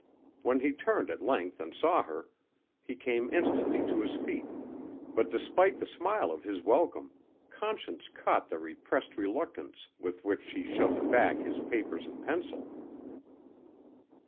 When he turned at length and saw her, he came instantly to his feet, but despite the smile of his welcome, Conscience caught the repressed reluctance with which he shoved back his papers and pencil.